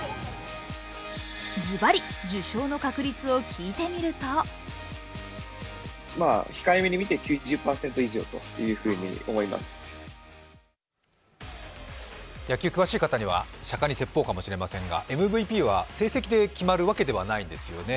ズバリ受賞の確率を聞いてみると野球、詳しい方には釈迦に説法かもしれませんがＭＶＰは成績で決まるわけではないですよね。